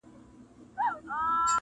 د ګلونو پر غونډۍ اورونه اوري،